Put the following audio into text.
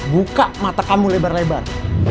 buka mata kamu lebar lebar